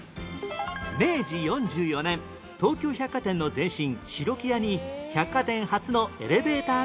明治４４年東急百貨店の前身白木屋に百貨店初のエレベーターが誕生